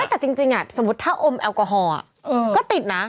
แต่จริงสมมุติถ้าอมแอลกอฮอล์ก็ติดนะ